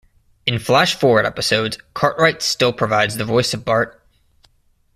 In flashforward episodes, Cartwright still provides the voice of Bart.